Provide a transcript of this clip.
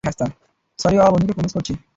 Sorry বাবা, বন্ধুকে promise করছি!